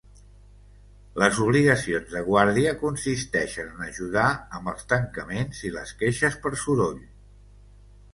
Les obligacions de guàrdia consisteixen en ajudar amb els tancaments i les queixes per soroll.